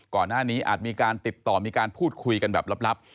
อาจมีการติดต่อมีการพูดคุยกันแบบลับ